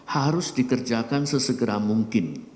harus dikerjakan sesegera mungkin